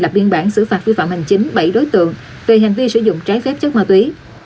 lập biên bản xử phạt vi phạm hành chính bảy đối tượng về hành vi sử dụng trái phép chất ma túy